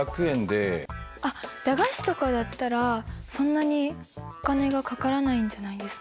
あっ駄菓子とかだったらそんなにお金がかからないんじゃないですか。